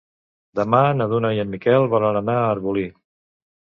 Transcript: Demà na Duna i en Miquel volen anar a Arbolí.